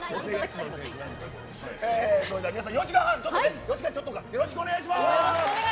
それでは皆さん４時間半４時間ちょっとよろしくお願いします。